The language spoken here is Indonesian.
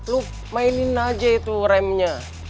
lu mainin aja itu remnya